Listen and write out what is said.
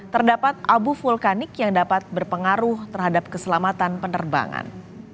terdapat abu vulkanik yang dapat berpengaruh terhadap keselamatan penerbangan